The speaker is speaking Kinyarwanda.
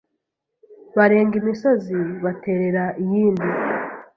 Barenga imisozi baterera iyindi,